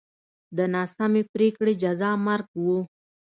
د ناسمې پرېکړې جزا مرګ و